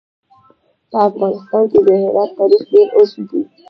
په افغانستان کې د هرات تاریخ ډېر اوږد دی.